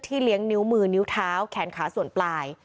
เลี้ยงนิ้วมือนิ้วเท้าแขนขาส่วนปลาย